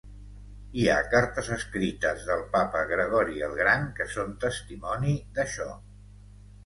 Hi ha cartes escrites pel papa Gregori el Gran que són testimoni d'això.